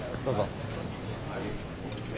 どうぞ。